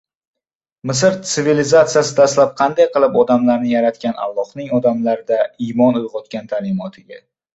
Misr tsivilizatsiyasi dastlab qanday qilib olamlarni yaratgan Allohning odamlarda iymon uyg‘otgan ta’limotiga